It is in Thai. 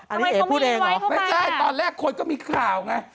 อันนี้เอ๋พูดเองเหรอไม่ใช่ตอนแรกคนก็มีข่าวไง